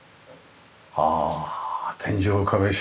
ああ天井壁白。